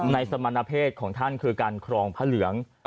สมณเพศของท่านคือการครองพระเหลือง